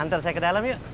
antar saya ke dalam yuk